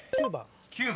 ９番。